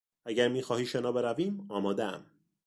اگر میخواهی شنا برویم آمادهام.